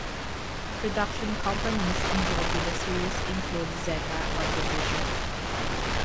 Production companies involved with the series include Zeta Audiovisual.